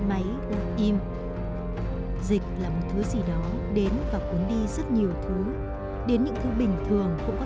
máy in dịch là một thứ gì đó đến và cuốn đi rất nhiều thứ đến những thứ bình thường cũng có